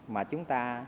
mà chúng ta